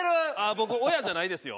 僕親じゃないですよ。